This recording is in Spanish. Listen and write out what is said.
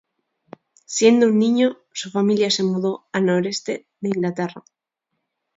Siendo un niño, su familia se mudó al Noroeste de Inglaterra.